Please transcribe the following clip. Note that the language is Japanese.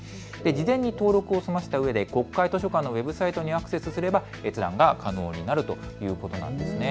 事前に登録を済ませたうえで国会図書館のウェブサイトにアクセスすれば閲覧が可能になるということです。